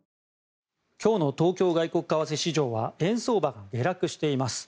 今日の東京外国為替市場は円相場が下落しています。